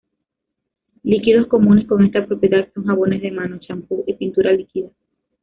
Líquidos comunes con esta propiedad son jabones de mano, champús y pintura líquida.